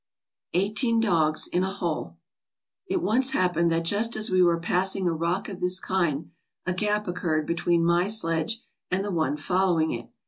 Eighteen Dogs in a Hole "It once happened that just as we were passing a rock of this kind, a gap occurred between my sledge and the one follow ing it.